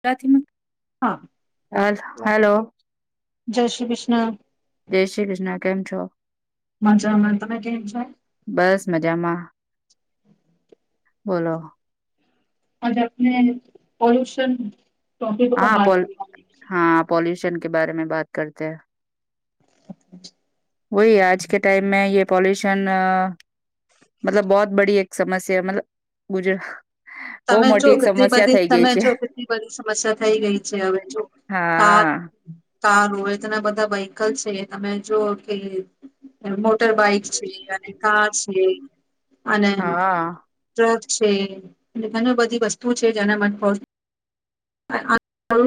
પ્રાથીમ હા હ હલો જય શ્રી કૃષ્ણ જય શ્રી કૃષ્ણ કેમ છો મજા તમે કેમ છ બસ મજામાં બોલો અનેજ આપને પોલ્યુશન ટોપિક ઉપર વાત હાલ કરવાની છે. હા પોલ્યુશન કે બાર મે બાત કરતે [unintelligible] વહી આજ કે ટાાઈમ મે પલ્યુશન મતલબ બહત બડીી એક સમસ્યા મતલબ ગુજરાત તમે જો કેટલી બધી તમે છે જો કેટલી બધી સમસ્યા થઈ ગઈ છે હવે જો કાર હા તાર હો એ તેના બધા વહકલ છે તમે જો કે મોટર બાઈક છે અને કાર છે અને હા છે એ ઘણી બધી વસ્તુ છે જેના મ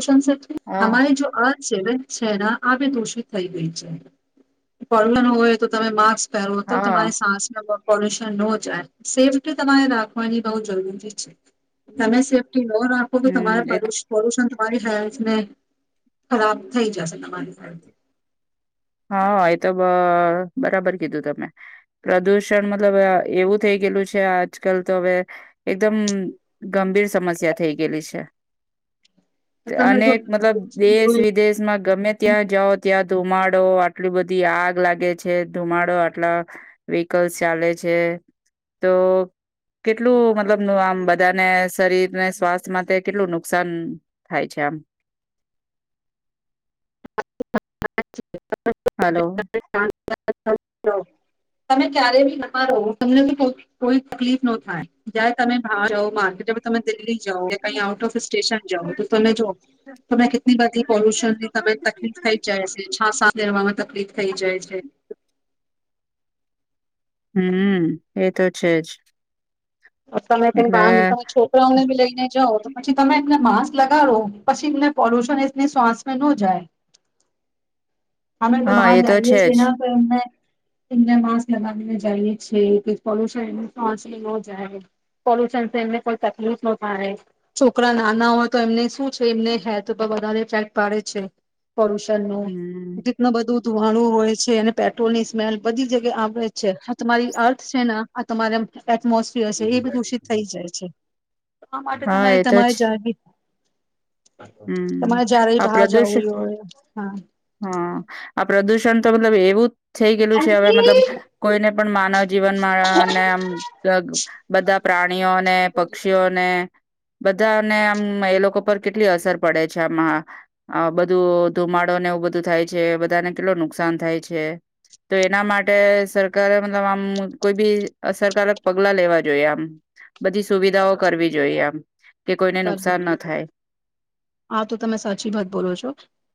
કોન્સેપ્ટ હા હમા જો આ છે છેના આ બી દોષિત થઈ ગય છે પડવાનું હોય તો તમે માર્ક્સ પહે તો હા તમારી સાસ પોલ્યુશન ન જ સેફ્ટી તમારે રાખવાની બઉ જરૂરી છે છે. તમે સેફ્ટી ન રાખો કે તમારે હમ એ પોલ્યુશન તમારી હેલ્થ ને ખરાબ થઈ જશે. મારી સા. હા એ તો બરાબર કીધું તમે પ્રદુષણ મતલબ એવું થઈ ગયલું છે આજકાલ તો હવે એકદમ ગંભીર સમસ્યા થઈ ગયેલી છે. તમે જો અનેક મતલબ પોલ્યુશન દેશ હોય વિદેશમાં ગમે ત્યાં જાઓ ત્યાં ધુંમાડ આટલી બધી આગ લાગે છે ધુમાડો આટલા વ્હકલ્સ ચાલે છે તો કેટલું મતલબ આમ બધાને શરીરને સ્વાસ્થ માટે કેટલું નુકસાન થાય છે આમ. [inaudible] હલો. તમે ક્યારે ન રહો તમને કોઈ તકલીફ ન થાય જયારે તમે બહ જાો માર્કેટ તમે દિલ્લી જા કે ક આઉટ ઓફ સ્ટેશન જાઓ તો તમે જો તમે કેટલી બધી પોલ્યુશન ની તમે જાય છે છાસાવામાં તકલીફ થઈ જાય છે. હમ એ તો છે જ. ઓ મેં તને બહ નનીતા એટલે હ છોકરાઓનેી લઈ જ તો પછી તમે એમને માસ્ક લગાડો પછી એમને પોલ્યુશન એને શ્વાસ ન જાય. હમે તો હા બહાર એ જઈએ છે જ ના તોને એમને માસ્ક લગાવીને જઈએ કે પોલ્યુશનસ લુન એને કોઈ તકલીફ ન થાય છોકરા નાના હોય તો એમને શું છે એમને હેલ્થ પર વધારે ઇફેક્ટ પાડે છે. પોલ્યુશન નું હમ રીતનું બધું. ધુવાણું હોય છે અનેને પેટ્રોલ ની સ્મેલ બધી જગ્યાએ આવેે છે આ તમારી અર્થ છે ને આ તમારે મોસવી હ છે એ બી દૂષિત થઈ જાય છે. આ માટે હા એ તમારે તો જ તમારે જાગી હમ તમારે જ્યારે આ બહાર પ્રદૂષણ જવું હોય હા હા. પ્રદૂષણ તો મતલબ એવું જ થઈ ગયેલું છે હવે મતલબ અંજલી કોઈને પણ માનવ જીવનમાં ને આમ બધા પ્રાણીઓને પક્ષીઓને બધાને આમ એ લોકો પર કેટલી અસર પડે છે આમાં બધું ધુમાડો ને એવું બધું થાય છે બધાને કેટલું નુકસાન થાય છે તો એના માટે સરકારે મતલબ આમ કોઈ બી અસરકારક પગલા લેવા જોઈએ આમ બધી સુવિધાઓ કરવી જોઈએ આમ. કે કોઈને કરવું નુકસાન ન થાય. હા તો તમે સાચી વાત બોલો છો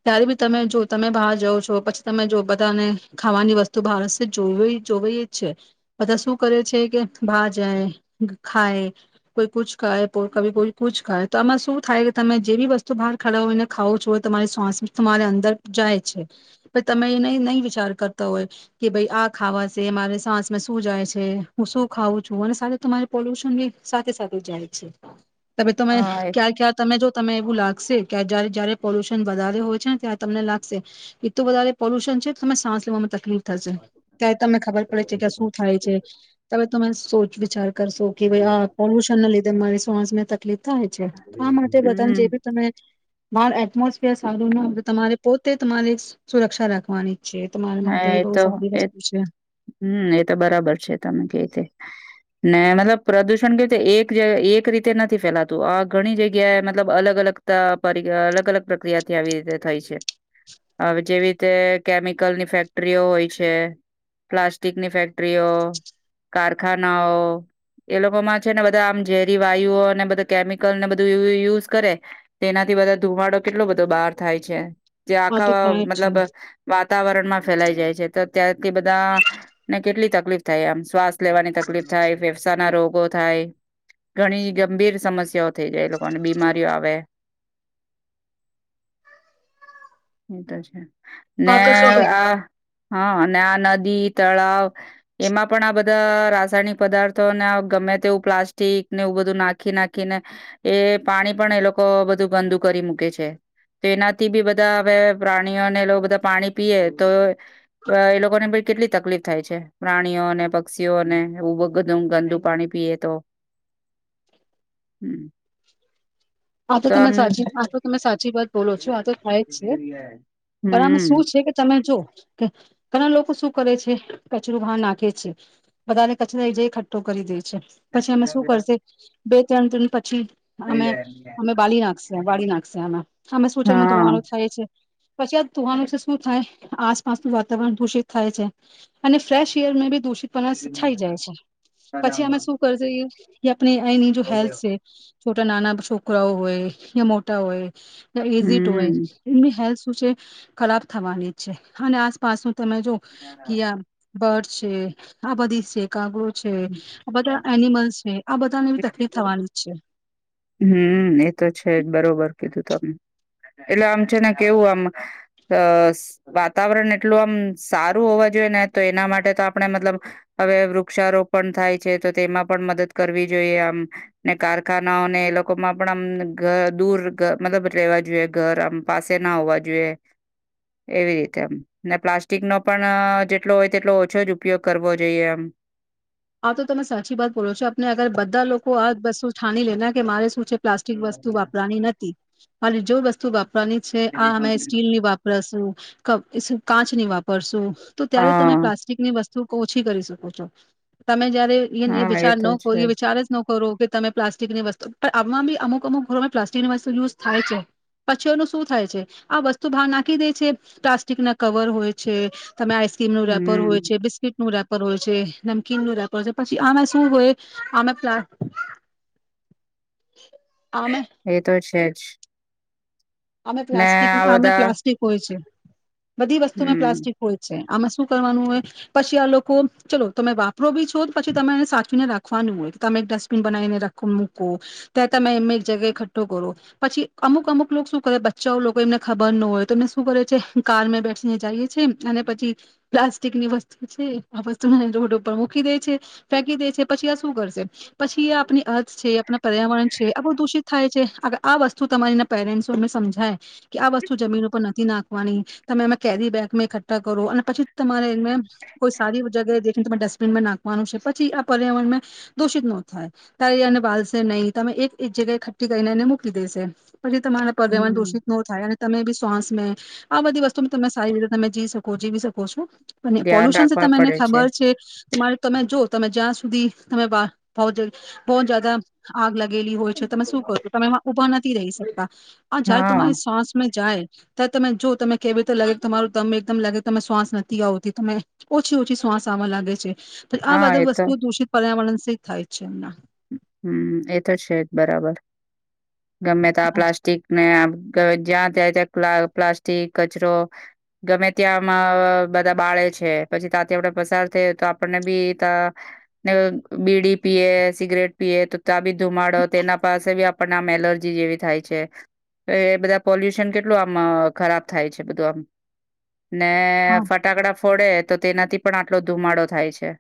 ત્યારે બી તમે જો તમે બહાર જાઓ છો પછી તમે જો બધાને ખાવાની વસ્તુ બહાર જો જોવાઈ જ છે બધા શું કરે છે કે બહાર જાય ખાય કોઈ કુછ ખાય ક કોઈ કુ ખાય તો આમાં શું થાય કે તમે જે બી વસ્તુ તો બહાર ખાડ હોયને ખાવો છો હો તમારી શ્વાસ તમારે અંદર જાય છે પણ તમે એને નહી વિચાર કરતા હોય કે ભાઈ આ ખાવાશે મારે શ્વાસમાં શું જાય છે હું શું ખાવું છું અને સાથે તમારે પોલ્યુશન બી સાથે સાથે જાય છે. તમે તમે હા એ ક્યારે ક્યાર તમે જો તમે એવું લાગે જયારે પોલ્યુશન વધારે હોય છે ને ત્યારે તમને લાગશે એું વધારે પોલ્યુશન છે તમે સાસ લેવામાં તકલીફ થશે ક તમને ખબર પડે છે કે શું થાય છે હવે તમે સોચ વિચાર કરશો કે ભાઈ આ પોલ્યુશન ના લીધે મારી શ્વાસમાં તકલીફ થાય તો આ માટે બધાને હમ જે [unintelligible] બાર એટમોસફિયર સારું ના હો તમારે પોતે તમારે સુરક્ષા રાખવાની છે તમારા માટે હા એ બહુ તો સારી એ વસ્તુ છે હમ એતો બરાબર છે તમે કેતે ને મતલબ પ્રદુષણ કેવી રીતે એક એક રીતે નથી ફેલાતું આ ઘણી જગ્યાએ મતલબ અલગ અલગ અલગ અલગ પ્રક્રિયાથી આવી રીતે થઈ છે હ જેવી રીતે કેમ કલની ફેક્ટરીઓ હોય છે પ્લાસ્ટિકની ફેક્ટરીઓ કારખાનાઓ એ લોકોમાં છે ને બધા આમ ઝેરી વાયુઓ અનેને બધ કેમિકલને બધું યુઝ કરે તેનાથી બધા ધુમાડો કેટલો બધો બહાર થાય છે જે આ તો આખા થાય મતલબ જ વાત છે વાતાવરણ માં ફેલાઈ જાય છે તારથી બધા ને કેટલી તક તકલીફ થાય આમ શ્વાસ લેવાની તકલીફ થાય ફેફસા ના રોગો થાય ઘણી ગંભીર સમસ્યાઓ થઈ જાય એ લોકોને બીમારીઓ આવે એતો છે ને આ તો આ હા અને આ નદી તળાવ એમાં પણ આ બધા રાસાયણિક પદાર્થોને ગમે તેવું પ્લાસ્ટિકને એવું બધું નાખી નાખીને એ પાણી પણ એ લોકો બધું ગંદુ કરી મૂકે છે તો એનાથી બી બધા હવે પ્રાણીઓને એ લોકો બધા પાણી પીએ તો એ લોકોને પણ કેટલી તકલીફ થાય છે પ્રાણીઓ અને પક્ષીને એવું બગ મ ગંદુ પાણી પીએ તો હમ આ તો તમે સાચી આ તો તમે સાચી વાત બોલો છો આ તો થાય જ છે પણમે શું હમ છે કે તમે જો કે ઘણા લોકો શું કરે છે કચરોું ભા નાખે છે બધાને કચરા જ ખઠ્ટો કરી દે છે પછી એમે શું કરશે બે ત્રણ ત્રણ પછી નહી જ ન આ ડી નાખશે વાળડી નાખશે એમાં અમે શું છે એમાં હા ધોવાનુંું થાય છે પછી આ તવાનું છે શું થાય આસપાસનું વાતાવરણ દૂષિત થાય છે અને ફ્રેશ એર બી દૂષિતપ છઇ જાય છે પછી અમે શું કરજઈએ આપ આની જો હેલ્થ છે છોટા નાના છો કુકરાઓ હોય યા મોટા હોય ઝી ટુ હ હમ ઇી હેલ્પ શ છે ખરાબ થવાની જ છે અને આસપાસનું તમે જો કે આ બર્ડ છે આ બધી છે કાગુ છે આ બધા એનિમલ્ છે. આ બધા [unintelligible] હમ એતો છે જ બરોબર કીધું. એટલે આમ છે ને કેવું આમ વાતાવરણ એટલું આમ સારું હોવા જોઈએ ને તો એના માટે તો આપણે મતલબ હવે વૃક્ષારોપણ થાય છે. તો તેમાં પણ મદદ કરવી જોઈએ. આમ ને કારખાના ને એ લોકોમાં પણમ દૂર મતલબ લેવા જોઈએ ઘર આમ પાસે ના હોવા જોઈએ. એવી રીતેમ. ને પ્લાસ્ટિક નો પણ જેટલો હોય તેટલો ઓછો જ ઉપયોગ કરવો જોઈએ એમ. આ તો તમે સાચી વાત બોલો છો. આપને અગર બધા લોકો આ બસો [unintelligible] કે મારે શું છે પ્લાસ્ટિક વસ્તુ વાપરવાની નથી. [unintelligible] ની છે. આ અમે સ્ટીલ ની વાપ. [unintelligible] તો ત્યારે તમે હા પ્લાસ્ટિકની વસ્તુ. શું ઓછી કરી શકો છો. તમે જ. હા એ વિચાર તો નો હો છે વિચાર જ નો. ખો કે તમે પ્લાસ્ટિકની વસ્તુ પણ આમાં બી અમુક અમુક ઘરોમાં પ્લાસ્ટિકની વસ્તુ યુઝ થાય છે. પછી એનું શું થાય છે. આ વસ્તુ બહાર નાખી દે છે પ્લાસ્ટિક ના કવર હોય છે. તમે આઈસ્ક્રીમ ન રેપર હોય હમ છે. બિસ્કીટનું રેપર. [inaudible] કમ રતો છે પછી આમે શું હોય આમે્ એતો છે જ. અમે ને પ્લાસ્ટ્ટિક આ અમે બધા પ્લાસ્ટ્ટિક હોય છે. બધી વસ્તુ માં હમ્મ, પ્લાસ્ટિક હોય છે. આમાં શું કરવાનું હોય પછી આ લોકો ચલો તમે વાપરો બી છો. પછી તમે એને સાચવીને રાખવાનું હોય કે તમે એક ડસ્ટબિન બનાવીનેખ મૂકો ત્યાં તમે એ એક જગ્યાએ એકઠ્ઠો કરો. પછી અમુક અમુક લોકો શું બચ્ચા લોકો એમને ખબર ન હોય તો એમને શું કરે છે કારમાં બેઠીને જઈએ છે અને પછી પ્લાસ્ટિકની વસ્તુ છે આ વસ્તુ રોડ ઉપર મૂકી દે છે ફેકી દે છે પછી આ શું કરશે પછી એ આપણી અર્થ છે આપ પર્યાવરણ છે આપ દૂષિત થાય છે. આ વસ્તુ તમારીના પેરેન્ટ ને સમજાય કે આ વસ્તુ જમીન ઉપર નથી નાખવાની. તમે એમે કેરી બેગમાં એકઠ્ઠા કરો. અને પછી તમારે એને કોઈ સારી જગ્યાને ડસ્ટબિનમાં નાખવાનું છે. પછી આ પર્યાવરણ દોષિત ન થાય. તારે એને બાલશે નહી તમે એક જગ્યાએ એકઠ્ઠી કરીને એને મૂકી દેશે પછી તમા પર્યાવરણ હમ્મ, દોષિત ન થાય અને તમે બી શ્વાસ મે આ બધી વસ્તુ તમે સારી રીતે તમે જી શકો જીવી શકો છો અને ધ્યાન પોલ્યુશન છે રાખવા તમને પડે ખબર છે. તમારે તમે જો તમે જ્યાં સુધી [unintelligible] બહુ જદા આગ લાગેલી હોય છે તમે શું કરો છું? તમેમાં ઉભા નથી થી રહી શકતા આ જાય હા, તમારી શ્વાસ મેં જાય ત તમે જો તમે કેવીતે લાગે તમારું દમ એકદમ લાગે તમે શ્વાસ નથી આવતી, તમે ઓછી-ઓછી શ્વાસ આવવા લાગે છે. આ હા બધા એ તો વસ્તુઓ દુષિત પર્યાવરણ થાય છે એમના હમ એ તો જ છે જ બરાબર ગમે તો આ પ્લાસ્ટિક ને જ્યાં ત્યાં ત્યાં પ્લાસ્ટિક કચરો ગમે ત્યાંમાં બધા બાળે છે. પછી ત્યાતે આપડ પસાર થાય તો આપણને બી તંને બીડી પીએ સિગરેટ પીએ તો તાબી ધુમાડો તેના પાસે ભી આપને આમ એલર્જી જેવી થાય છે, એ બધા પોલ્યુશન કેટલું આમ ખરાબ થાય છે બધું આમ ને હા ફટાકડા ફોડે તો તેનાથી પણ આટલો ધુમાડો થાય છે.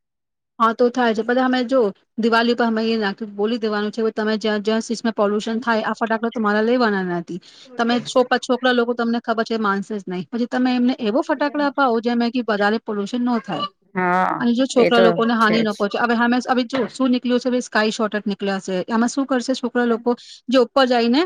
હા તો થાય છે પછા અમે જો દિવાળી પરર અમે એ નાખી બોલી દેવાનું છે તમે જ્યાં સમાં પ પોલ્યશન થાય આ ફટાકડા તો તમારા લ બનાના તમે છોપ છોકરા લોકો તમને ખબર છે માનસે જ નહિ પછી તમે એમને એવો ફટાકડા અપાવો જે કે બધાને પોલ્યુશન ન થાય હા જો છો એ તો લોકોને છે હાિ ન જ પહોચ હવે હમે જો શું? છે સ્કાય શોર્ટ જ નીકળ્યા છે એમાં શું કરશે છોકરા લોકો જાય ને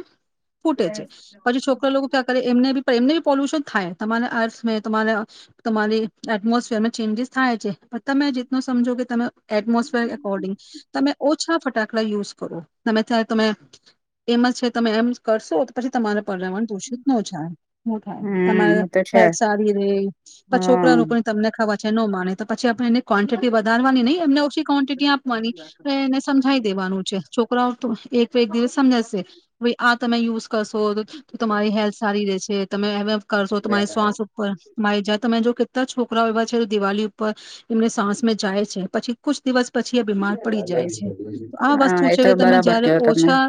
ફૂટે છે પછી છોકરા લોકો ક્યાં કરે. એમને બી પણ એમને બી પોલ્યુશન થાય, તમારા અર્થ મે તમારે તમારી એટમોસફિયરમાં ચેન્જીસ થાય છે પણ તમે જે ન સમજો કે તમે એટમોસફેર અકોર્ડિંગ તમે ઓ અછા ફટાકડા યુઝ કરો તમે ત્યારે તમે એમ જ છે તમે એમ કરશો તો પછી તમારે ર દુષિત ન થાય થાય હમ તમારા એ તો છે હેલ્ સારી ર છોકરા હા છોકરી તમને ખાવા નો માણે તો પછી આપણે એને કો્વાન્ટિટી વધારવાની નહી એમને ઓછી ક્વોન્ટિટી આપવાની એને સમજાઈ દેવાનું છે. છોકરાઓ એક એક દિવસ સમજાશે ભાઈ આ તમે યુઝ કરશો તો તમારી હેલ્થ સારી રહેેશે તમે હવે કરશો તમારી શ્વાસ ઉપર માય જા તમે જો કેત્તા છોકરાઓ એવા છે તો દિવાળી ઉપર એમને સાસ મે જાય છે. પછી કુછ દિવસ પછી એ બીમાર પડી જાય છે. તો આ હા વસ્તુ એ છે હવે તો તમે બરાબર જયારે કેવો તમે ઓછા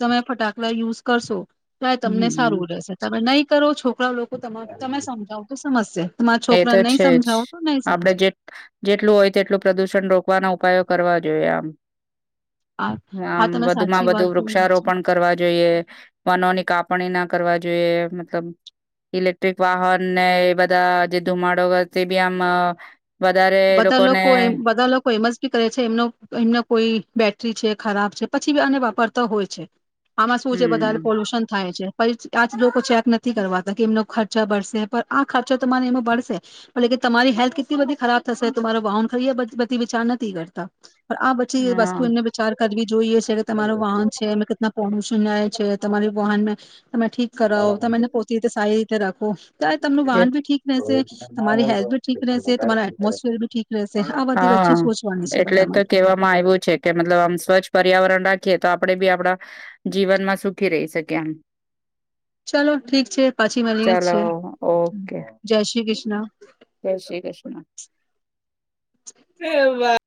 તમે ફટાકડા યુઝ કરશો. તો આય તમને હમ સારું રહેશે તમે નઈ કરો, છોકરાઓ લો તો તમાર-તમે સમજાવ તો સમજશે. તમારા એ છોકરાન તો નઈ છે જ સમજાવ તો નઈ આપડે સમજે જે જેટલું હોય તેટલું પ્રદુષણ રોકવાના ઉપાયો કરવા જોઈએ આમ. આ આ આમ તમે વધુમાં સાચી વધુ વાત કરી છે. વૃક્ષારોપણ કરવા જોઈએ, વનોની કાપણીના કરવા જોઈએ મતલબ ઇલેક્ટ્રિક વાહન ને એ બધા જે ધુમાડો કર તે બી આમ વધારે એ બધા લોકોને લોકો એમ બધા લોકો એમ જ કી કરે છે એમનો-એમનો કોઈ બેટરી છે ખરાબ છે, પછી બી આને વાપરતા હોય છે. આમાં શું છે બધારે હમ પોલુશન થાય છે. પછ આચ લોકો ચેક નથી કરવાતા કે એમનો ખર્ચા બળશે. પણ આ ખર્ચો તો તમારે એમાં બળશે પડ લેકિ તમારી હેલ્થ કેટલી બધી ખરાબ થશે તોમારો બાહન ખરી આ બધ-બધી વિચાર નથી કરતા. પર આ પછી એ હા વસ્તુ એમને વિચાર કરવી જોઈએ છે તમારું વાહન છે અમે કેતના પોલુશન રહે છે, તમારી વોહન મે તમે મેં ઠીક કરાાવ તો મેને પોતી તે સાારી જરાખ ઓફ તા તમનું એ વાહન ભી ઠીક રહેશે, તમારી હેલ્થ ભી ઠીક રહેશે તમારા એટમોસફિયર બી ઠીક રહેશે. આ બધી હા, વસ્તુ સોચવાની છે એટલે બધા તો માટે. કેવામાં આવ્યું છે કે મતલબ આમ સ્વચ્છ પર્યાવરણ રા કે તો આપડે બી આપડા જીવનમાં સુખી રહી શકીએ એમ. ચલો ઠીક છે, પછી મલીએ ચલો છે. ઓકે. જય શ્રી કૃષ્ણ.